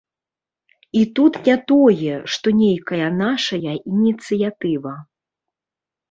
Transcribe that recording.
І тут не тое, што нейкая нашая ініцыятыва.